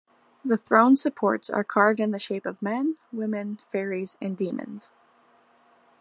The throne's supports are carved in the shape of men, women, fairies, and demons.